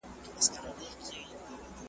او باغونه یې تل شنه وي.